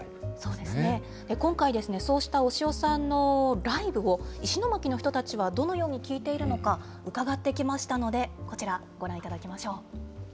そうですね、今回ですね、そうした押尾さんのライブを、石巻の人たちはどのように聴いているのか、伺ってきましたので、こちら、ご覧いただきましょう。